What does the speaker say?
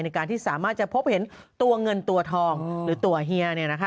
การที่สามารถจะพบเห็นตัวเงินตัวทองหรือตัวเฮีย